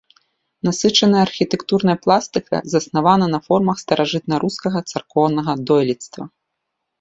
Насычаная архітэктурная пластыка заснавана на формах старажытнарускага царкоўнага дойлідства.